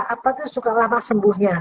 apa itu suka lama sembuhnya